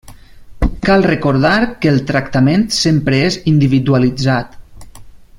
Cal recordar que el tractament sempre és individualitzat.